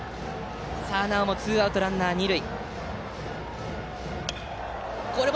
なおもツーアウトランナー、二塁。